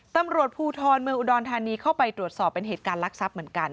ตำรวจภูทรเมืองอุดรธานีเข้าไปตรวจสอบเป็นเหตุการณ์ลักษัพเหมือนกัน